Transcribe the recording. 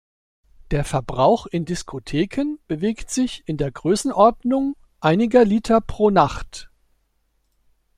Der Verbrauch in Diskotheken bewegt sich in der Größenordnung einiger Liter pro Nacht.